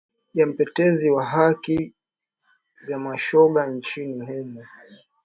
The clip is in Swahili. ya mtetezi wa haki za mashoga nchini humo